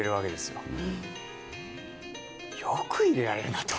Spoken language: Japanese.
よく入れられるなと。